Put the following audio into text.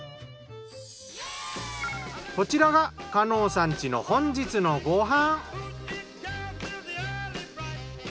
こちらが加納さん家の本日のご飯。